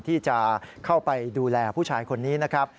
ที่จะเข้าไปดูแลผู้ชายคนนี้นะครับ